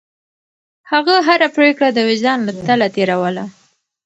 هغه هره پرېکړه د وجدان له تله تېروله.